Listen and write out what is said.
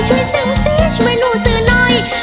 ช่วยซื้อบุษีช่วยหนูซื้อหน่อย